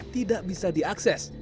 tidak bisa diakses